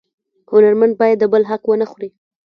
هنرمن باید د بل حق ونه خوري